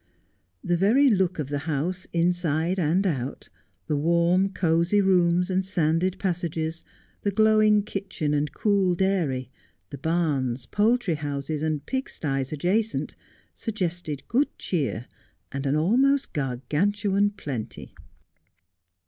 The very look of the house, inside and out, the warm, cosy rooms and sanded passage*, the glowing kitchen and cool dairy, the barns, 23oultry houses, and pig sties adjacent, suggested good cheer, and an almost Gar gantuan plenty.